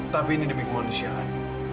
tapi ini demi kemanusiaan